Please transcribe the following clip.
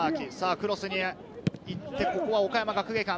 クロスに行って、ここは岡山学芸館。